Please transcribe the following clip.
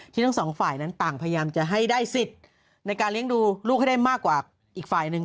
ทั้งสองฝ่ายนั้นต่างพยายามจะให้ได้สิทธิ์ในการเลี้ยงดูลูกให้ได้มากกว่าอีกฝ่ายหนึ่ง